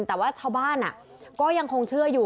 แต่ว่าชาวบ้านก็ยังคงเชื่ออยู่